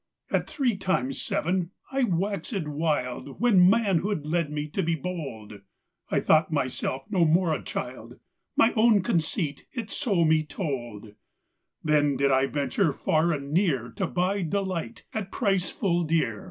At three times seven I waxèd wild, When manhood led me to be bold; I thought myself no more a child, My own conceit it so me told: Then did I venture far and near, To buy delight at price full dear.